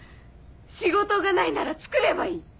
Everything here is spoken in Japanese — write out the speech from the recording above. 仕事がないならつくればいい！